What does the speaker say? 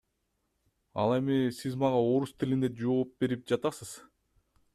Ал эми сиз мага орус тилинде жоопберип жатасыз.